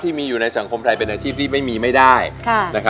ที่มีอยู่ในสังคมไทย